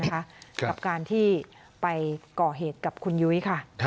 กับการที่ไปก่อเหตุกับคุณยุ้ยค่ะ